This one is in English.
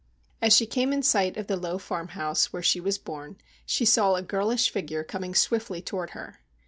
As she came in sight of the low farm house where she was born she saw a girlish figure coming swiftly toward her.